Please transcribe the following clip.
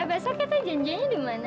eh besok kita janjianya dimana